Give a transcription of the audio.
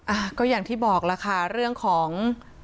อ่ะก็อย่างที่บอกล่ะค่ะเรื่องของ